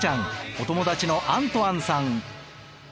お友達のアントアンさん。